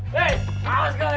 tuh sama taufik lagi